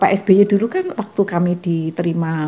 pak sby dulu kan waktu kami diterima